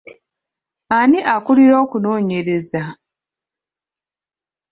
Ani akulira okunoonyereza?